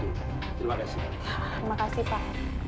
terima kasih pak